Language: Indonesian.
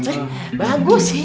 eh bagus sih